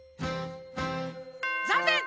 ざんねん！